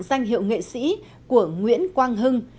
danh hiệu nghệ sĩ của nguyễn quang hưng